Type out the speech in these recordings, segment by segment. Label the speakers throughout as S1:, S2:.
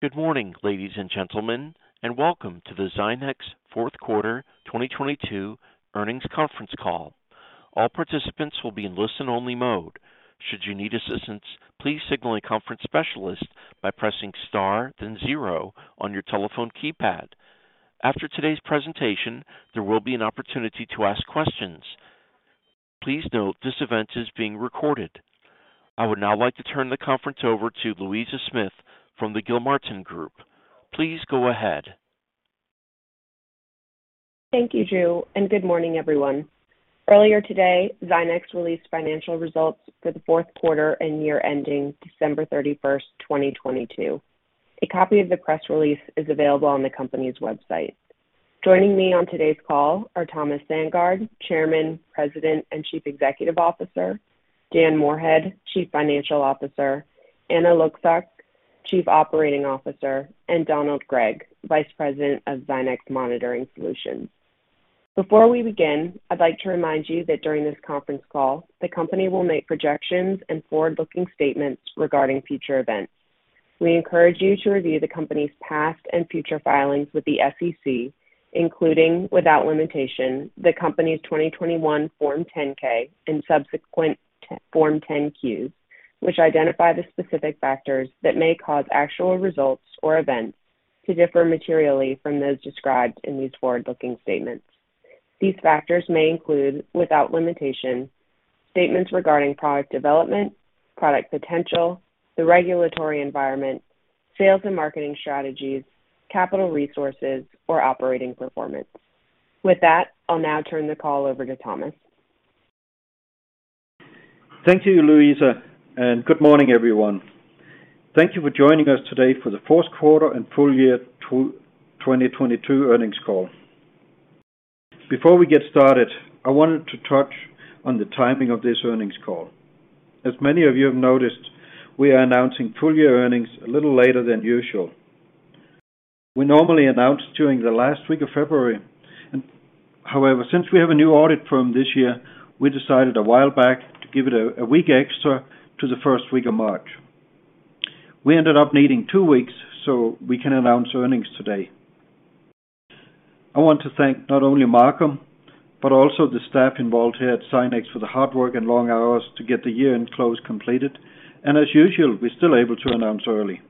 S1: Good morning, ladies and gentlemen, and welcome to the Zynex fourth quarter 2022 earnings conference call. All participants will be in listen only mode. Should you need assistance, please signal a conference specialist by pressing star, then zero on your telephone keypad. After today's presentation, there will be an opportunity to ask questions. Please note this event is being recorded. I would now like to turn the conference over to Louisa Smith from the Gilmartin Group. Please go ahead.
S2: Thank you, Drew. Good morning, everyone. Earlier today, Zynex released financial results for the fourth quarter and year ending December 31st, 2022. A copy of the press release is available on the company's website. Joining me on today's call are Thomas Sandgaard, Chairman, President, and Chief Executive Officer, Dan Moorhead, Chief Financial Officer, Anna Lucsok, Chief Operating Officer, and Donald Gregg, Vice President of Zynex Monitoring Solutions. Before we begin, I'd like to remind you that during this conference call, the company will make projections and forward-looking statements regarding future events. We encourage you to review the company's past and future filings with the SEC, including, without limitation, the Company's 2021 Form 10-K and subsequent Form 10-Q, which identify the specific factors that may cause actual results or events to differ materially from those described in these forward-looking statements. These factors may include, without limitation, statements regarding product development, product potential, the regulatory environment, sales and marketing strategies, capital resources, or operating performance. With that, I'll now turn the call over to Thomas.
S3: Thank you, Louisa, and good morning, everyone. Thank you for joining us today for the fourth quarter and full year 2022 earnings call. Before we get started, I wanted to touch on the timing of this earnings call. As many of you have noticed, we are announcing full-year earnings a little later than usual. We normally announce during the last week of February. However, since we have a new audit firm this year, we decided a while back to give it a week extra to the first week of March. We ended up needing two weeks, so we can announce earnings today. I want to thank not only Marcum, but also the staff involved here at Zynex for the hard work and long hours to get the year-end close completed, and as usual, we're still able to announce early.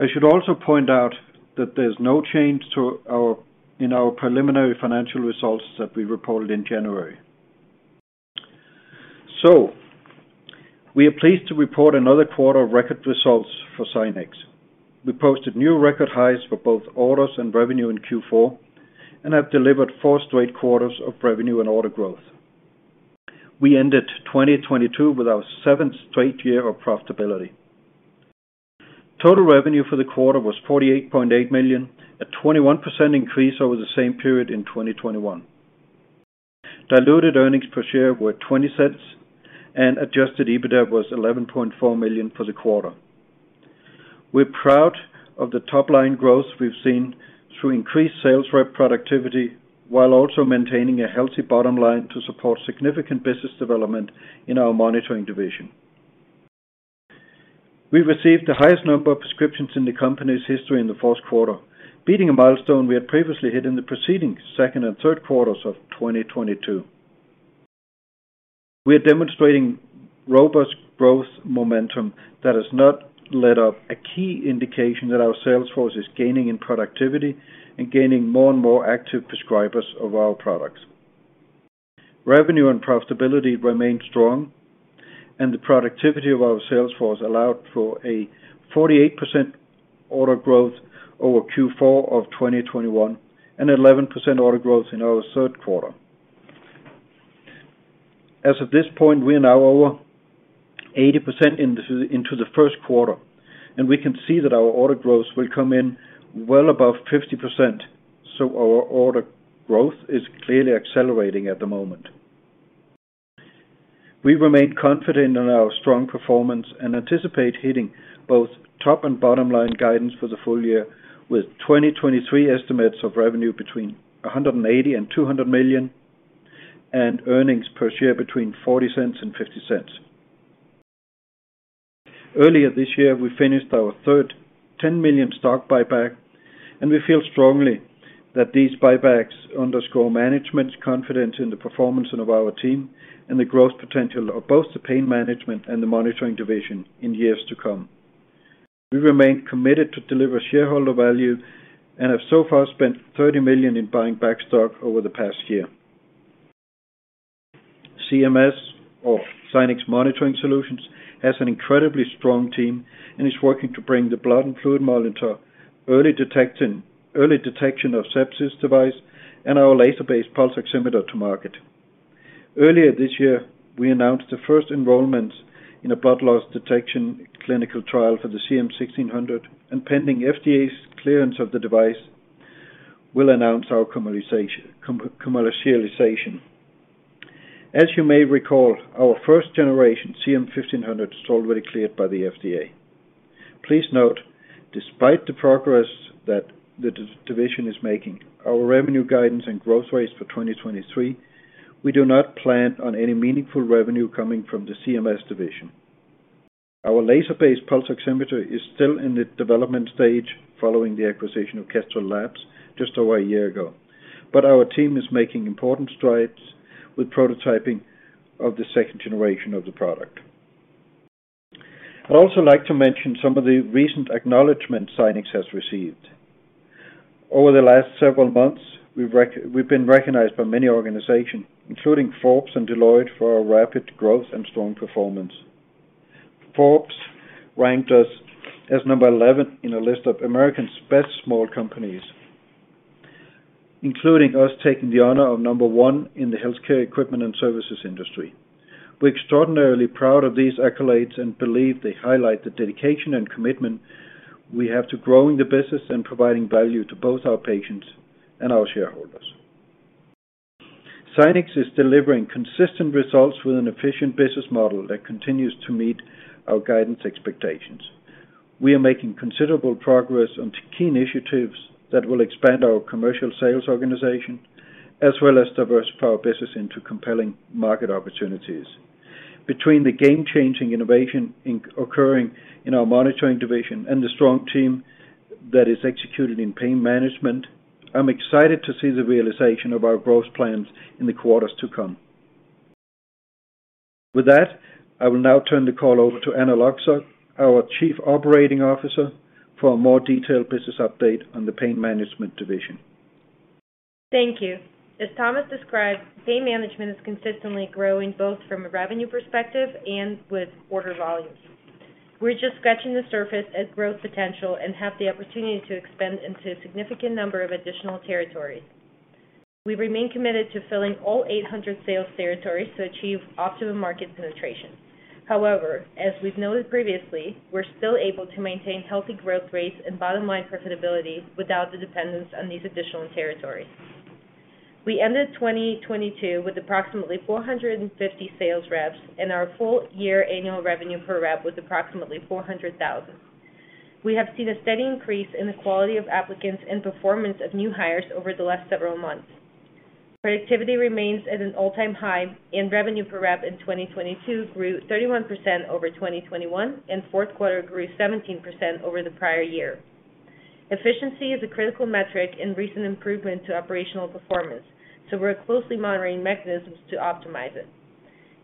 S3: I should also point out that there's no change to our in our preliminary financial results that we reported in January. We are pleased to report another quarter of record results for Zynex. We posted new record highs for both orders and revenue in Q4, and have delivered four straight quarters of revenue and order growth. We ended 2022 with our seventh straight year of profitability. Total revenue for the quarter was $48.8 million, a 21% increase over the same period in 2021. Diluted earnings per share were $0.20, and Adjusted EBITDA was $11.4 million for the quarter. We're proud of the top line growth we've seen through increased sales rep productivity while also maintaining a healthy bottom line to support significant business development in our Monitoring division. We received the highest number of prescriptions in the company's history in the fourth quarter, beating a milestone we had previously hit in the preceding second and third quarters of 2022. We are demonstrating robust growth momentum that has not let up, a key indication that our sales force is gaining in productivity and gaining more and more active prescribers of our products. Revenue and profitability remain strong, the productivity of our sales force allowed for a 48% order growth over Q4 of 2021, 11% order growth in our third quarter. As of this point, we are now over 80% into the first quarter, we can see that our order growth will come in well above 50%, our order growth is clearly accelerating at the moment. We remain confident in our strong performance and anticipate hitting both top and bottom line guidance for the full year with 2023 estimates of revenue between $180 million-$200 million, and earnings per share between $0.40-$0.50. Earlier this year, we finished our third $10 million stock buyback, and we feel strongly that these buybacks underscore management's confidence in the performance and of our team, and the growth potential of both the pain management and the monitoring division in years to come. We remain committed to deliver shareholder value and have so far spent $30 million in buying back stock over the past year. ZMS or Zynex Monitoring Solutions, has an incredibly strong team and is working to bring the blood and fluid monitor, early detection of sepsis device, and our laser-based pulse oximeter to market. Earlier this year, we announced the first enrollment in a blood loss detection clinical trial for the CM-1600, and pending FDA's clearance of the device, we'll announce our commercialization. As you may recall, our first generation CM-1500 is already cleared by the FDA. Please note, despite the progress that the division is making, our revenue guidance and growth rates for 2023. We do not plan on any meaningful revenue coming from the ZMS division. Our laser-based pulse oximeter is still in the development stage following the acquisition of Kestrel Labs just over a year ago. Our team is making important strides with prototyping of the second generation of the product. I'd also like to mention some of the recent acknowledgment Zynex has received. Over the last several months, we've been recognized by many organizations, including Forbes and Deloitte for our rapid growth and strong performance. Forbes ranked us as number 11 in a list of America's best small companies, including us taking the honor of number one in the healthcare equipment and services industry. We're extraordinarily proud of these accolades and believe they highlight the dedication and commitment we have to growing the business and providing value to both our patients and our shareholders. Zynex is delivering consistent results with an efficient business model that continues to meet our guidance expectations. We are making considerable progress on key initiatives that will expand our commercial sales organization as well as diverse power business into compelling market opportunities. Between the game-changing innovation occurring in our monitoring division and the strong team that is executed in pain management, I'm excited to see the realization of our growth plans in the quarters to come. With that, I will now turn the call over to Anna Lucsok, our Chief Operating Officer, for a more detailed business update on the pain management division.
S4: Thank you. As Thomas described, pain management is consistently growing both from a revenue perspective and with order volumes. We're just scratching the surface at growth potential and have the opportunity to expand into a significant number of additional territories. We remain committed to filling all 800 sales territories to achieve optimum market penetration. However, as we've noted previously, we're still able to maintain healthy growth rates and bottom-line profitability without the dependence on these additional territories. We ended 2022 with approximately 450 sales reps, and our full year annual revenue per rep was approximately $400,000. We have seen a steady increase in the quality of applicants and performance of new hires over the last several months. Productivity remains at an all-time high. Revenue per rep in 2022 grew 31% over 2021. Fourth quarter grew 17% over the prior year. Efficiency is a critical metric and recent improvement to operational performance. We're closely monitoring mechanisms to optimize it.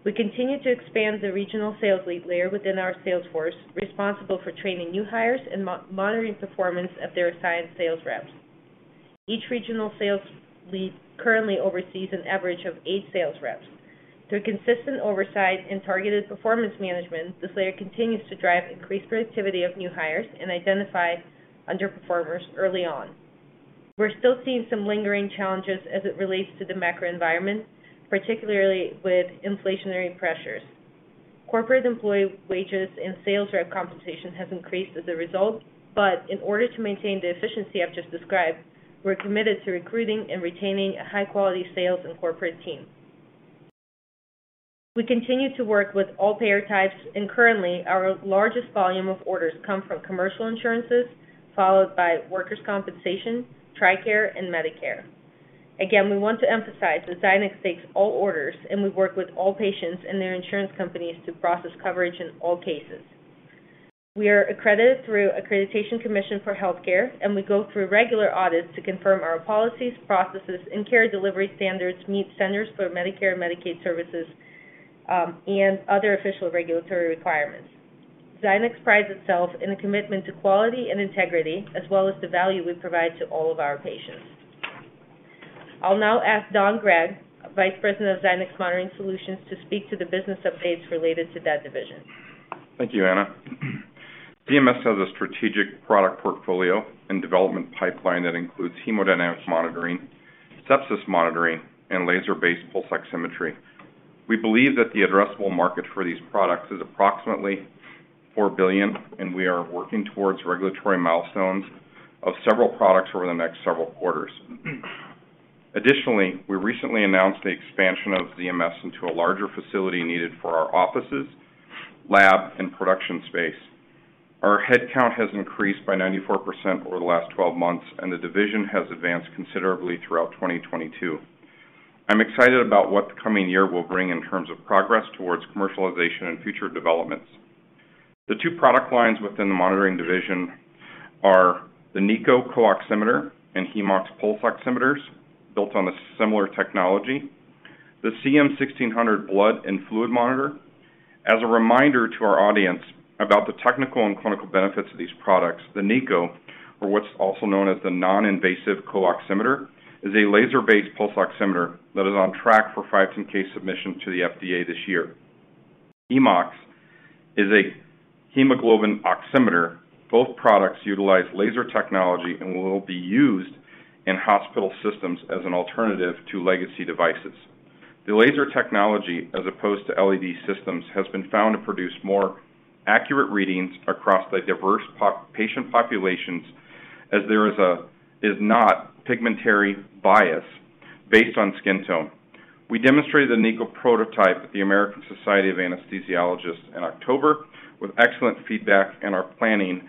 S4: We continue to expand the regional sales lead layer within our sales force, responsible for training new hires and monitoring performance of their assigned sales reps. Each regional sales lead currently oversees an average of eight sales reps. Through consistent oversight and targeted performance management, this layer continues to drive increased productivity of new hires and identify underperformers early on. We're still seeing some lingering challenges as it relates to the macro environment, particularly with inflationary pressures. Corporate employee wages and sales rep compensation has increased as a result, but in order to maintain the efficiency I've just described, we're committed to recruiting and retaining a high-quality sales and corporate team. We continue to work with all payer types, and currently, our largest volume of orders come from commercial insurances, followed by workers' compensation, TRICARE, and Medicare. Again, we want to emphasize that Zynex takes all orders, and we work with all patients and their insurance companies to process coverage in all cases. We are accredited through Accreditation Commission for Health Care, and we go through regular audits to confirm our policies, processes, and care delivery standards meet Centers for Medicare & Medicaid Services, and other official regulatory requirements. Zynex prides itself in the commitment to quality and integrity, as well as the value we provide to all of our patients. I'll now ask Don Gregg, Vice President of Zynex Monitoring Solutions, to speak to the business updates related to that division.
S5: Thank you, Anna. ZMS has a strategic product portfolio and development pipeline that includes hemodynamic monitoring, sepsis monitoring, and laser-based pulse oximetry. We believe that the addressable market for these products is approximately $4 billion, we are working towards regulatory milestones of several products over the next several quarters. Additionally, we recently announced the expansion of ZMS into a larger facility needed for our offices, lab, and production space. Our headcount has increased by 94% over the last 12 months, the division has advanced considerably throughout 2022. I'm excited about what the coming year will bring in terms of progress towards commercialization and future developments. The two product lines within the monitoring division are the NiCO CO-Oximeter and HemeOx Pulse Oximeters, built on a similar technology, the CM-1600 Blood and Fluid Monitor. As a reminder to our audience about the technical and clinical benefits of these products, the NiCO, or what's also known as the Noninvasive CO-Oximeter, is a laser-based pulse oximeter that is on track for 510(k) submission to the FDA this year. HemeOx is a hemoglobin oximeter. Both products utilize laser technology and will be used in hospital systems as an alternative to legacy devices. The laser technology, as opposed to LED systems, has been found to produce more accurate readings across the diverse patient populations as there is not pigmentary bias based on skin tone. We demonstrated the NiCO prototype at the American Society of Anesthesiologists in October with excellent feedback and are planning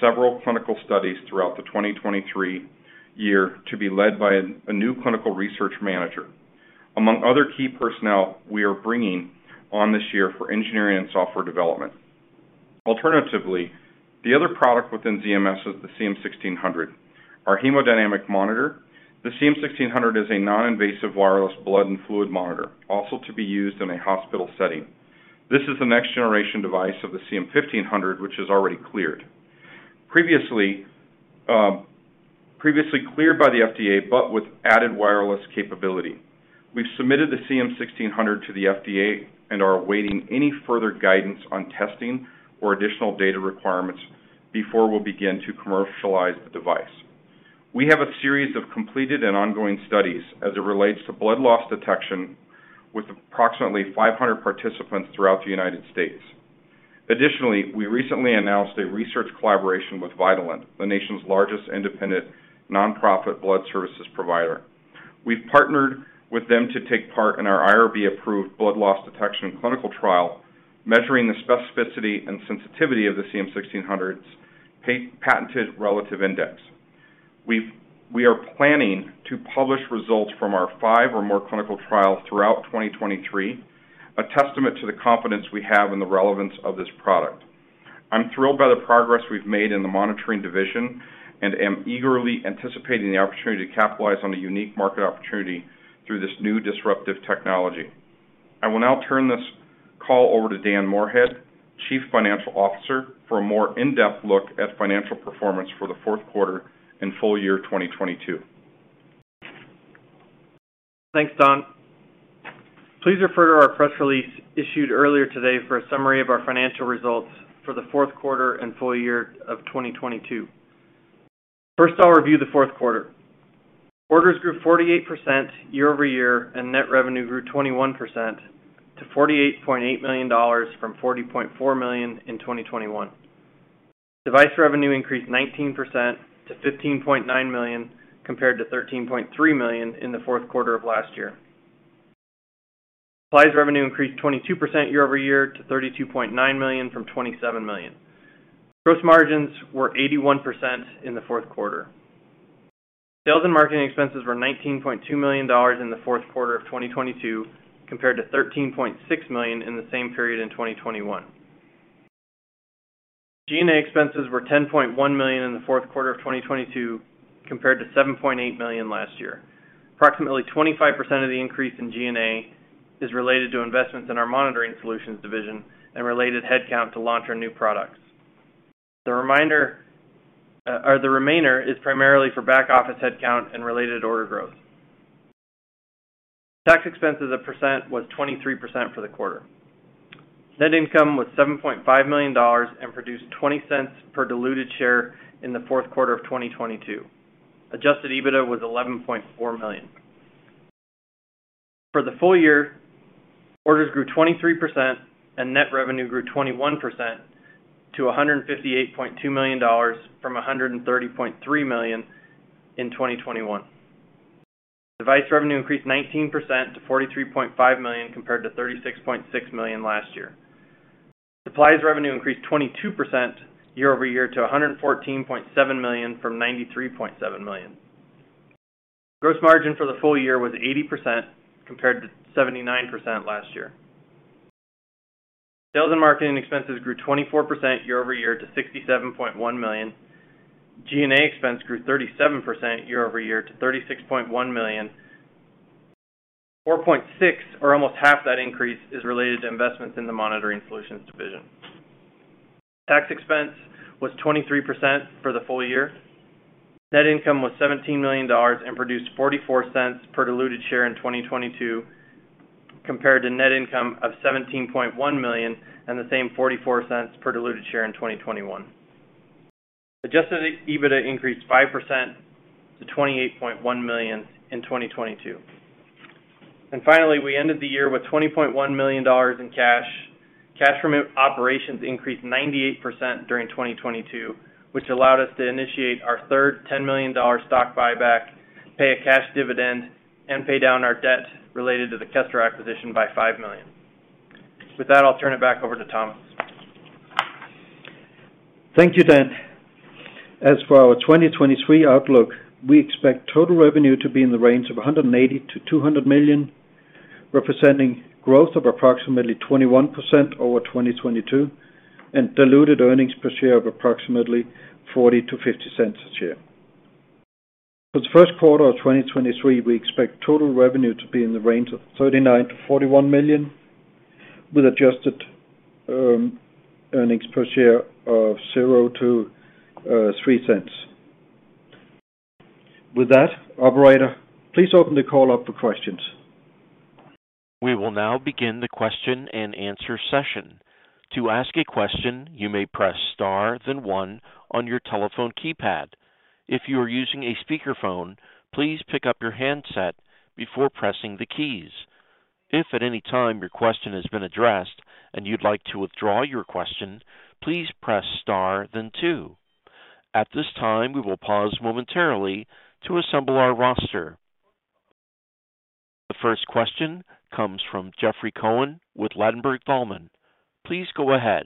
S5: several clinical studies throughout the 2023 year to be led by a new clinical research manager, among other key personnel we are bringing on this year for engineering and software development. The other product within ZMS is the CM-1600. Our hemodynamic monitor, the CM-1600, is a non-invasive wireless blood and fluid monitor also to be used in a hospital setting. This is the next generation device of the CM-1500, which is already cleared. Previously cleared by the FDA, with added wireless capability. We've submitted the CM-1600 to the FDA and are awaiting any further guidance on testing or additional data requirements before we'll begin to commercialize the device. We have a series of completed and ongoing studies as it relates to blood loss detection with approximately 500 participants throughout the United States. Additionally, we recently announced a research collaboration with Vitalant, the nation's largest independent nonprofit blood services provider. We've partnered with them to take part in our IRB-approved blood loss detection clinical trial, measuring the specificity and sensitivity of the CM-1600's patented Relative Index. We are planning to publish results from our five or more clinical trials throughout 2023, a testament to the confidence we have in the relevance of this product. I'm thrilled by the progress we've made in the monitoring division and am eagerly anticipating the opportunity to capitalize on a unique market opportunity through this new disruptive technology. I will now turn this call over to Dan Moorhead, Chief Financial Officer, for a more in-depth look at financial performance for the fourth quarter and full year 2022.
S6: Thanks, Don. Please refer to our press release issued earlier today for a summary of our financial results for the fourth quarter and full year of 2022. First, I'll review the fourth quarter. Orders grew 48% year-over-year, net revenue grew 21% to $48.8 million from $40.4 million in 2021. Device revenue increased 19% to $15.9 million, compared to $13.3 million in the fourth quarter of last year. Supplies revenue increased 22% year-over-year to $32.9 million from $27 million. Gross margins were 81% in the fourth quarter. Sales and marketing expenses were $19.2 million in the fourth quarter of 2022, compared to $13.6 million in the same period in 2021. G&A expenses were $10.1 million in the fourth quarter of 2022, compared to $7.8 million last year. Approximately 25% of the increase in G&A is related to investments in our Monitoring Solutions division and related headcount to launch our new products. The remainder is primarily for back office headcount and related order growth. Tax expense as a percent was 23% for the quarter. Net income was $7.5 million and produced $0.20 per diluted share in the fourth quarter of 2022. Adjusted EBITDA was $11.4 million. For the full year, orders grew 23% and net revenue grew 21% to $158.2 million from $130.3 million in 2021. Device revenue increased 19% to $43.5 million, compared to $36.6 million last year. Supplies revenue increased 22% year-over-year to $114.7 million from $93.7 million. Gross margin for the full year was 80%, compared to 79% last year. Sales and marketing expenses grew 24% year-over-year to $67.1 million. G&A expense grew 37% year-over-year to $36.1 million. $4.6 or almost half that increase is related to investments in the Monitoring Solutions division. Tax expense was 23% for the full year. Net income was $17 million and produced $0.44 per diluted share in 2022, compared to net income of $17.1 million and the same $0.44 per diluted share in 2021. Adjusted EBITDA increased 5% to $28.1 million in 2022. Finally, we ended the year with $20.1 million in cash. Cash from operations increased 98% during 2022, which allowed us to initiate our third $10 million stock buyback, pay a cash dividend, and pay down our debt related to the Kestrel acquisition by $5 million. I'll turn it back over to Thomas.
S3: Thank you, Dan. As for our 2023 outlook, we expect total revenue to be in the range of $180 million-$200 million, representing growth of approximately 21% over 2022 and diluted earnings per share of approximately $0.40-$0.50 a share. For the first quarter of 2023, we expect total revenue to be in the range of $39 million-$41 million, with adjusted earnings per share of $0.00-$0.03. With that, Operator, please open the call up for questions.
S1: We will now begin the question and answer session. To ask a question, you may press star then one on your telephone keypad. If you are using a speakerphone, please pick up your handset before pressing the keys. If at any time your question has been addressed and you'd like to withdraw your question, please press star then two. At this time, we will pause momentarily to assemble our roster. The first question comes from Jeffrey Cohen with Ladenburg Thalmann. Please go ahead.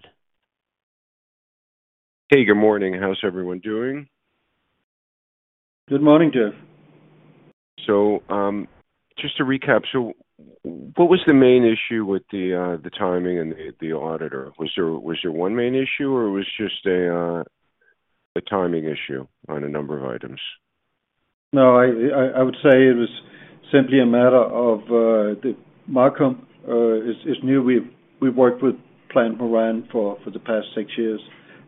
S7: Hey, good morning. How's everyone doing?
S3: Good morning, Jeff.
S7: Just to recap, so what was the main issue with the timing and the auditor? Was there one main issue, or it was just a timing issue on a number of items?
S3: No, I would say it was simply a matter of that Marcum is new. We've worked with Plante Moran for the past six years.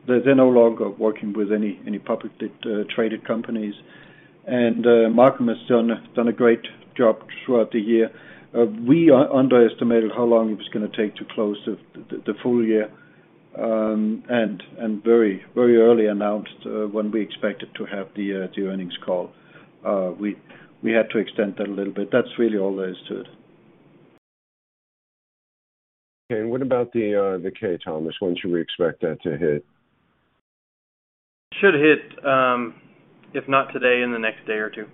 S3: They're then no longer working with any public traded companies. Marcum has done a great job throughout the year. We underestimated how long it was gonna take to close the full year, and very early announced when we expected to have the earnings call. We had to extend that a little bit. That's really all there is to it.
S7: Okay. What about the K, Thomas? When should we expect that to hit?
S3: Should hit, if not today, in the next day or two.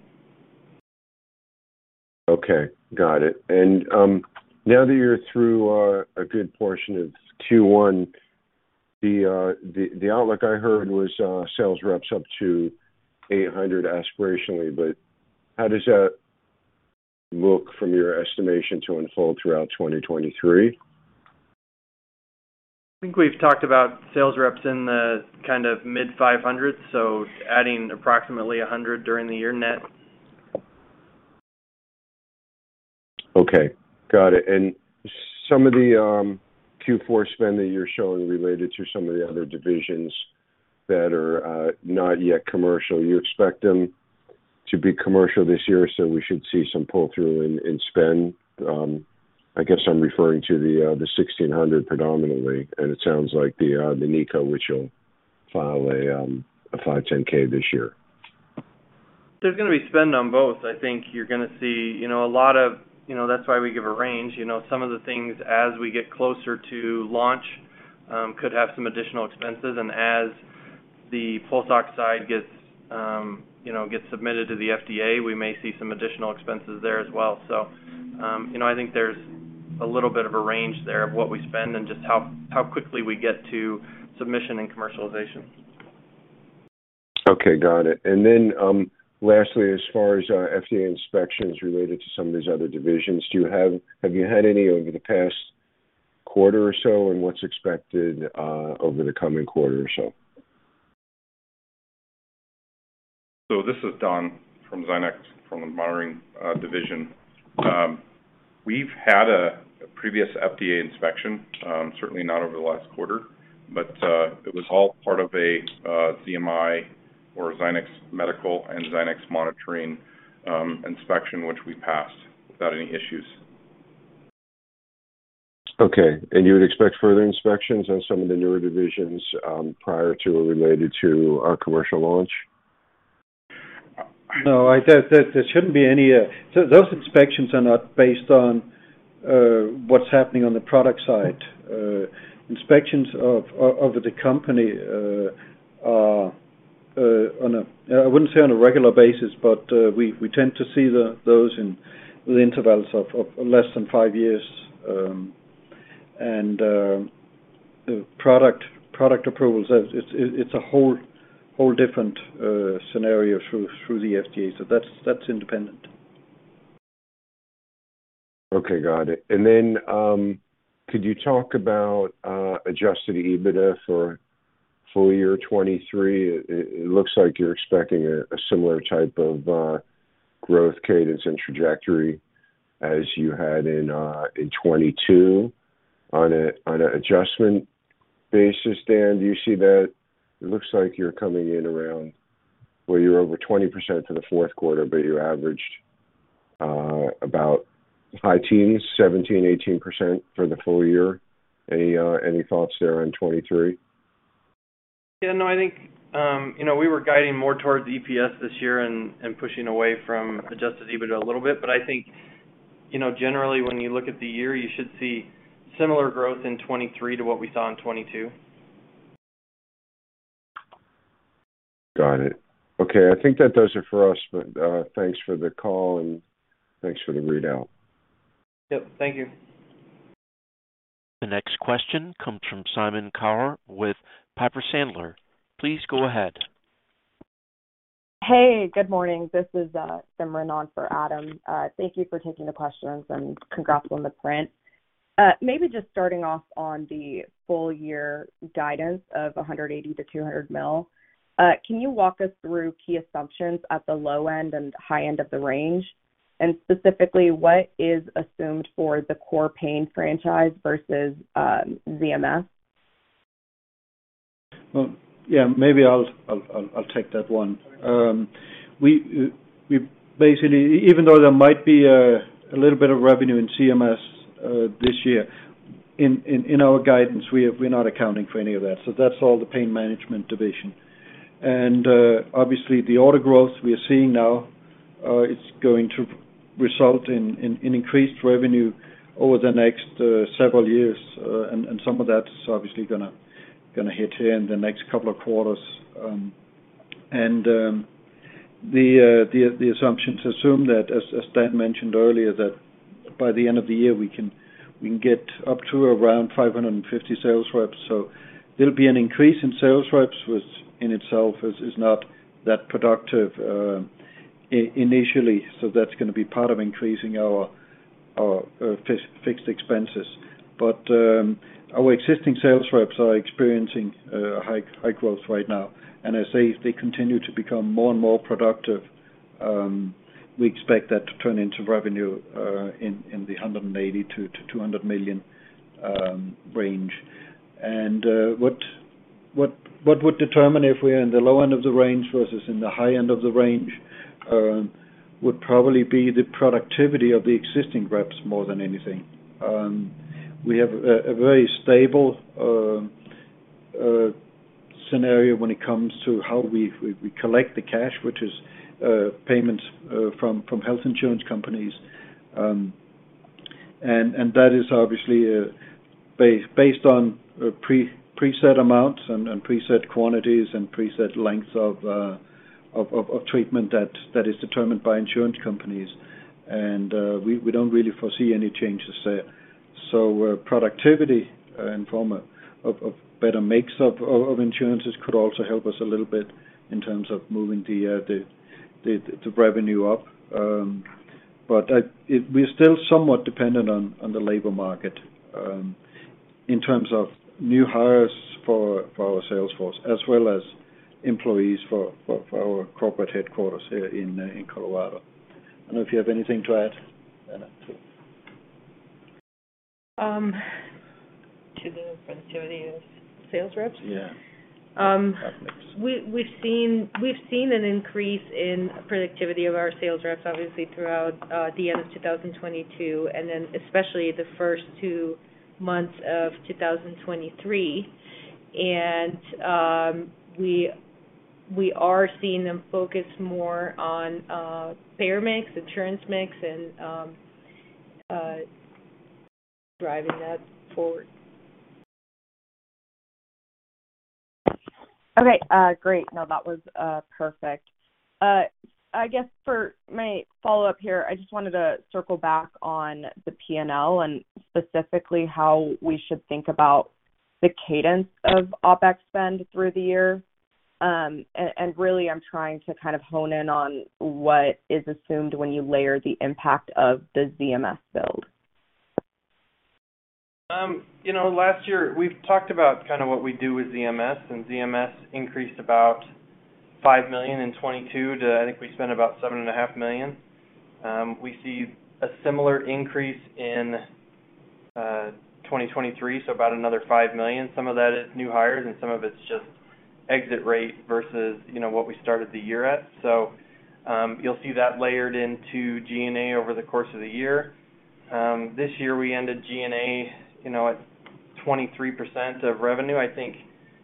S7: Okay. Got it. Now that you're through, a good portion of Q1, the outlook I heard was, sales reps up to 800 aspirationally, but how does that look from your estimation to unfold throughout 2023?
S6: I think we've talked about sales reps in the kind of mid 500s, so adding approximately 100 during the year net.
S7: Okay. Got it. Some of the Q4 spend that you're showing related to some of the other divisions that are not yet commercial. You expect them to be commercial this year, we should see some pull-through in spend. I guess I'm referring to the 1600 predominantly, and it sounds like the NiCO, which you'll file a 510(k) this year.
S6: There's gonna be spend on both. I think you're gonna see, you know, a lot of, you know. That's why we give a range. You know, some of the things as we get closer to launch, could have some additional expenses. And as the pulse oxide gets, you know, gets submitted to the FDA, we may see some additional expenses there as well. I think there's a little bit of a range there of what we spend and just how quickly we get to submission and commercialization.
S7: Okay. Got it. Lastly, as far as, FDA inspections related to some of these other divisions, have you had any over the past quarter or so, and what's expected, over the coming quarter or so?
S5: This is Don from Zynex, from the monitoring division. We've had a previous FDA inspection, certainly not over the last quarter, but it was all part of a ZMI or Zynex Medical and Zynex Monitoring inspection, which we passed without any issues.
S7: Okay. You would expect further inspections on some of the newer divisions prior to or related to a commercial launch?
S3: No. There shouldn't be any. Those inspections are not based on what's happening on the product side. Inspections of the company are on a I wouldn't say on a regular basis, but we tend to see the, those in the intervals of less than five years, and product approvals. It's a whole different scenario through the FDA. That's independent.
S7: Okay. Got it. Could you talk about Adjusted EBITDA for full year 2023? It looks like you're expecting a similar type of growth cadence and trajectory as you had in 2022. On a adjustment basis, Dan, do you see that? It looks like you're coming in around where you're over 20% for the fourth quarter, but you averaged about high teens, 17%-18% for the full year. Any thoughts there on 2023?
S6: Yeah. No, I think, you know, we were guiding more towards EPS this year and pushing away from Adjusted EBITDA a little bit. I think, you know, generally when you look at the year, you should see similar growth in 2023 to what we saw in 2022.
S7: Got it. Okay. I think that does it for us, but thanks for the call and thanks for the readout.
S6: Yep. Thank you.
S1: The next question comes from Simran Kaur with Piper Sandler. Please go ahead.
S8: Hey. Good morning. This is Simran on for Adam. Thank you for taking the questions, and congrats on the print. Maybe just starting off on the full year guidance of $180 mil-$200 mil. Can you walk us through key assumptions at the low end and high end of the range? Specifically, what is assumed for the core pain franchise versus ZMS?
S3: Yeah, maybe I'll take that one. We basically even though there might be a little bit of revenue in ZMS this year, in our guidance, we're not accounting for any of that. That's all the pain management division. Obviously the order growth we are seeing now is going to result in increased revenue over the next several years. And some of that's obviously gonna hit here in the next couple of quarters. The assumptions assume that, as Dan mentioned earlier, that by the end of the year, we can get up to around 550 sales reps. There'll be an increase in sales reps, which in itself is not that productive initially. That's gonna be part of increasing our fixed expenses. Our existing sales reps are experiencing high growth right now. As they continue to become more and more productive, we expect that to turn into revenue in the $180 million-$200 million range. What would determine if we're in the low end of the range versus in the high end of the range would probably be the productivity of the existing reps more than anything. We have a very stable scenario when it comes to how we collect the cash, which is payments from health insurance companies. And that is obviously based on preset amounts and preset quantities and preset lengths of treatment that is determined by insurance companies. We don't really foresee any changes there. Productivity in form of better mix of insurances could also help us a little bit in terms of moving the revenue up. We're still somewhat dependent on the labor market in terms of new hires for our sales force, as well as employees for our corporate headquarters here in Colorado. I don't know if you have anything to add, Anna.
S4: To the productivity of sales reps?
S3: Yeah. up next.
S4: We've seen an increase in productivity of our sales reps, obviously throughout the end of 2022, and then especially the first two months of 2023. We are seeing them focus more on payer mix, insurance mix, and driving that forward.
S8: Okay. Great. No, that was perfect. I guess for my follow-up here, I just wanted to circle back on the P&L and specifically how we should think about the cadence of OpEx spend through the year. Really I'm trying to kind of hone in on what is assumed when you layer the impact of the ZMS build.
S6: You know, last year we've talked about kind of what we do with ZMS, and ZMS increased about $5 million in 2022 to I think we spent about $7.5 million. We see a similar increase in 2023, so about another $5 million. Some of that is new hires, and some of it's just exit rate versus, you know, what we started the year at. You'll see that layered into G&A over the course of the year. This year we ended G&A, you know, at 23% of revenue. I think,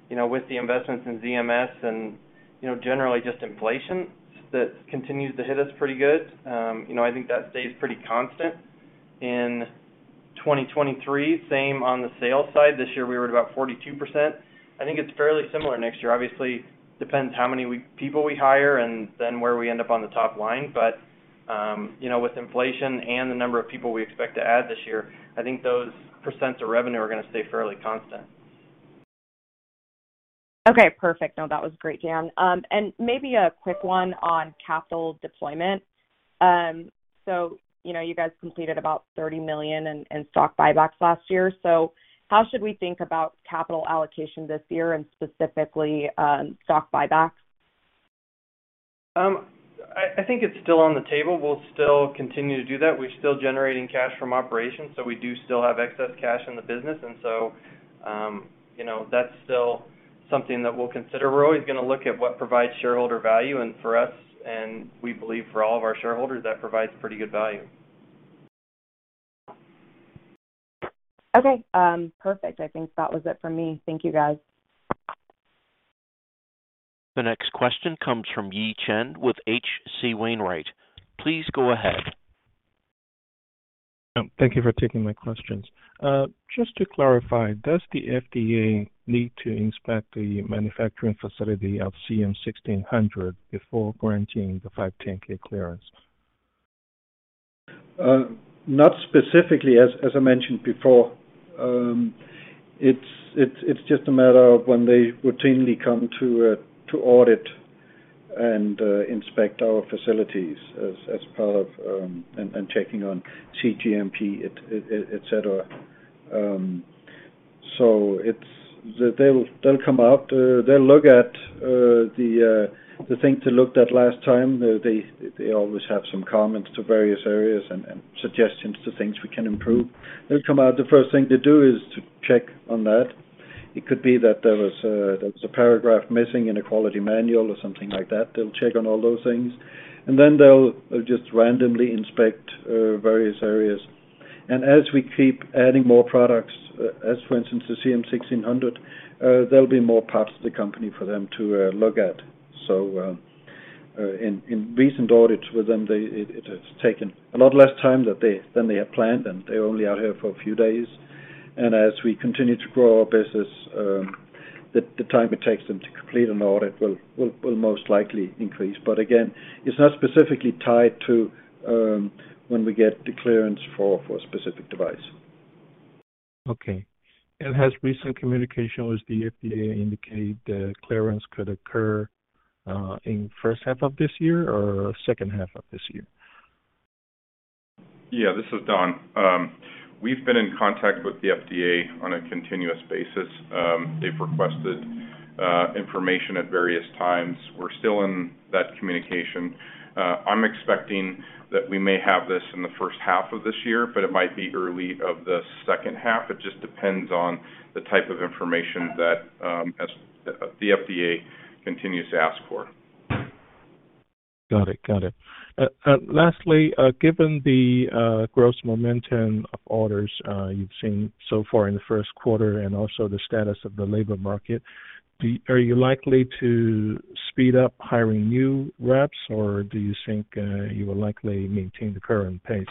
S6: you know, with the investments in ZMS and, you know, generally just inflation that continues to hit us pretty good, you know, I think that stays pretty constant. In 2023, same on the sales side. This year we were at about 42%. I think it's fairly similar next year. Obviously, depends how many people we hire and then where we end up on the top line. You know, with inflation and the number of people we expect to add this year, I think those percents of revenue are gonna stay fairly constant.
S8: Okay, perfect. No, that was great, Dan. Maybe a quick one on capital deployment. You know, you guys completed about $30 million in stock buybacks last year. How should we think about capital allocation this year and specifically, stock buybacks?
S6: I think it's still on the table. We'll still continue to do that. We're still generating cash from operations, so we do still have excess cash in the business. You know, that's still something that we'll consider. We're always gonna look at what provides shareholder value, and for us, and we believe for all of our shareholders, that provides pretty good value.
S8: Okay. perfect. I think that was it for me. Thank you, guys.
S1: The next question comes from Yi Chen with H.C. Wainwright. Please go ahead.
S9: Thank you for taking my questions. Just to clarify, does the FDA need to inspect the manufacturing facility of CM-1600 before granting the 510(k) clearance?
S3: Not specifically. As I mentioned before, it's just a matter of when they routinely come to audit and inspect our facilities as part of and checking on cGMP, et cetera. They'll come out, they'll look at the things they looked at last time. They always have some comments to various areas and suggestions to things we can improve. They'll come out, the first thing to do is to check on that. It could be that there was a paragraph missing in a quality manual or something like that. They'll check on all those things. Then they'll just randomly inspect various areas. As we keep adding more products, as for instance, the CM-1600, there'll be more parts of the company for them to look at, so, in recent audits with them, it has taken a lot less time than they had planned, and they're only out here for a few days. As we continue to grow our business, the time it takes them to complete an audit will most likely increase. Again, it's not specifically tied to, when we get the clearance for a specific device.
S9: Okay. Has recent communication with the FDA indicate that clearance could occur in first half of this year or second half of this year?
S5: Yeah, this is Don. We've been in contact with the FDA on a continuous basis. They've requested information at various times. We're still in that communication. I'm expecting that we may have this in the first half of this year, but it might be early of the second half. It just depends on the type of information that the FDA continues to ask for.
S9: Got it. Got it. Lastly, given the gross momentum of orders you've seen so far in the first quarter and also the status of the labor market, are you likely to speed up hiring new reps, or do you think you will likely maintain the current pace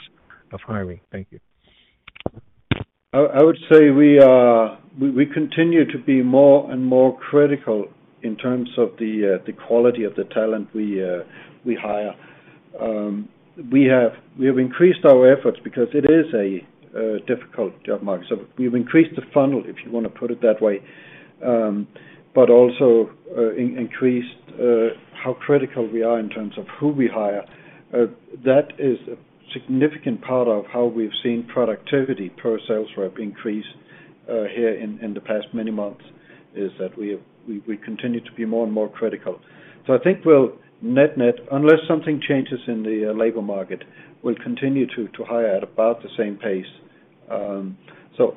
S9: of hiring? Thank you.
S3: I would say we continue to be more and more critical in terms of the quality of the talent we hire. We have increased our efforts because it is a difficult job market. We've increased the funnel, if you wanna put it that way, but also increased how critical we are in terms of who we hire. That is a significant part of how we've seen productivity per sales rep increase here in the past many months, is that we continue to be more and more critical. I think we'll net, unless something changes in the labor market, we'll continue to hire at about the same pace.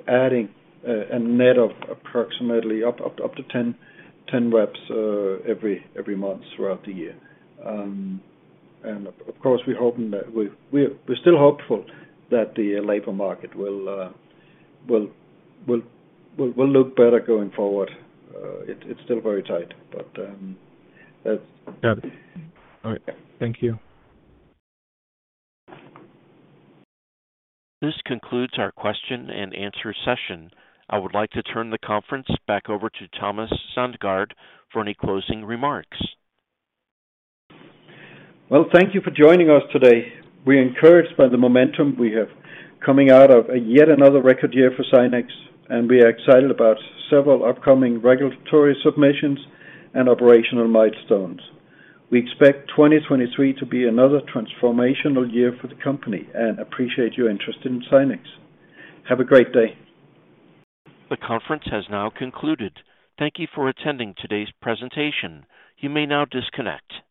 S3: Adding, a net of approximately up to 10 reps, every month throughout the year. Of course, we're hoping that. We're still hopeful that the labor market will look better going forward. It's still very tight but, that's.
S9: Got it. All right. Thank you.
S1: This concludes our question and answer session. I would like to turn the conference back over to Thomas Sandgaard for any closing remarks.
S3: Well, thank you for joining us today. We're encouraged by the momentum we have coming out of yet another record year for Zynex, and we are excited about several upcoming regulatory submissions and operational milestones. We expect 2023 to be another transformational year for the company and appreciate your interest in Zynex. Have a great day.
S1: The conference has now concluded. Thank you for attending today's presentation. You may now disconnect.